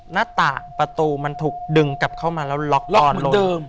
หน้าต่างประตูมันถูกดึงกลับเข้ามาแล้วล็อกตอนลง